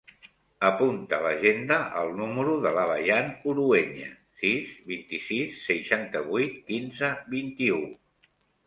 Apunta a l'agenda el número de la Bayan Urueña: sis, vint-i-sis, seixanta-vuit, quinze, vint-i-u.